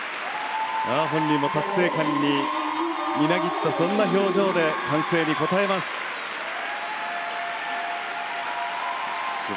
本人も達成感にみなぎったそんな表情で歓声に応えます。